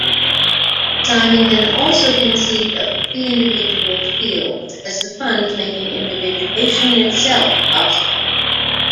Simondon also conceived of "pre-individual fields" as the funds making individuation itself possible.